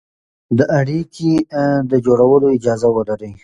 د اړيکې د جوړولو اجازه ولري،